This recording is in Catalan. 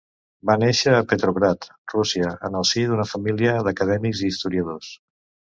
Va néixer a Petrograd, Rússia, en el si d'una família d'acadèmics i historiadors.